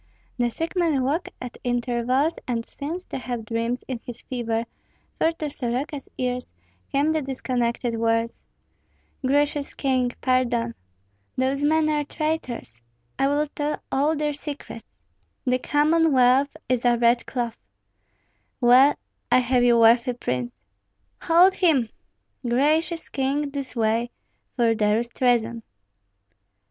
The sick man woke at intervals and seemed to have dreams in his fever, for to Soroka's ears came the disconnected words, "Gracious king, pardon Those men are traitors I will tell all their secrets The Commonwealth is a red cloth Well, I have you, worthy prince Hold him! Gracious king, this way, for there is treason!"